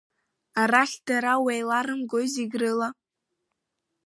Арахь дара уеиларымгои зегь рыла!